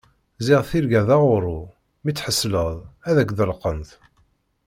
Ziɣ tirga d aɣuṛṛu, mi tḥeṣleḍ ad ak-ḍelqent.